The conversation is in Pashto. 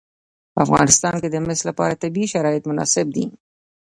په افغانستان کې د مس لپاره طبیعي شرایط مناسب دي.